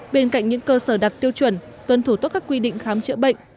bên cạnh những cơ sở đặt tiêu chuẩn tuân thủ tốt các quy định khám chữa bệnh